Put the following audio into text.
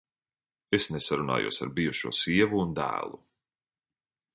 Es nesarunājos ar bijušo sievu un dēlu!